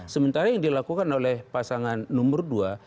sementara yang dilakukan oleh pasangan nomor dua